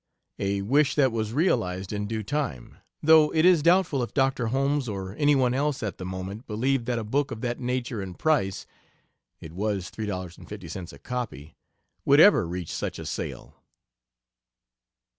A wish that was realized in due time, though it is doubtful if Doctor Holmes or any one else at the moment believed that a book of that nature and price (it was $3.50 a copy) would ever reach such a sale.